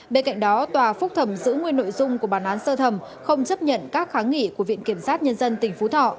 bên cạnh đó tòa phúc thẩm giữ nguyên nội dung của bản án sơ thẩm không chấp nhận các kháng nghị của viện kiểm sát nhân dân tỉnh phú thọ